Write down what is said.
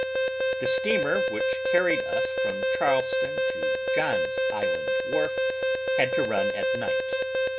The steamer which carried us from Charleston to John's island wharf had to run at night.